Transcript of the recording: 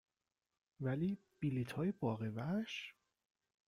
ولی، بلیطهای باغ وحش؟